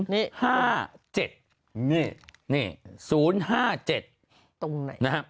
นี้๐๕๗